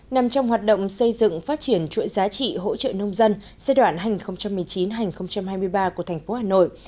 nằm trong hoạt động xây dựng phát triển chuỗi giá trị hỗ trợ nông dân giai đoạn hai nghìn một mươi chín hai nghìn hai mươi ba của thành phố hà nội